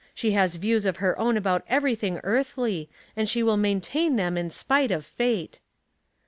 She has views of her own about everything earthly, and sha will maintain them in spite of fate."